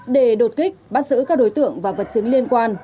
để đột kích bắt giữ các đối tượng và vật chứng liên quan